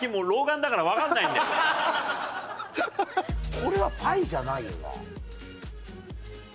これはパイじゃないよな。